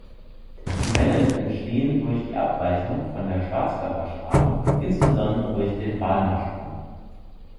Die Wellen entstehen durch die Abweichung von der Schwarzkörperstrahlung, insbesondere durch den Balmer-Sprung.